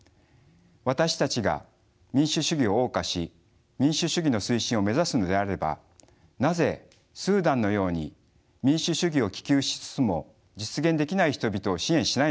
私たちが民主主義を謳歌し民主主義の推進を目指すのであればなぜスーダンのように民主主義を希求しつつも実現できない人々を支援しないのか。